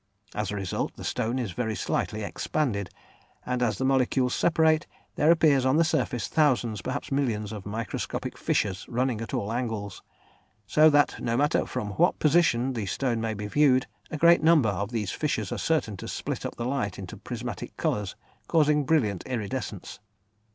As a result, the stone is very slightly expanded, and as the molecules separate, there appear on the surface thousands, perhaps millions, of microscopic fissures running at all angles, so that no matter from what position the stone may be viewed, a great number of these fissures are certain to split up the light into prismatic colours causing brilliant iridescence.